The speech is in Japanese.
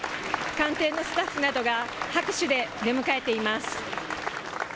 官邸のスタッフなどが拍手で出迎えています。